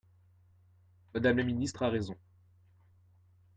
Madame la ministre a raison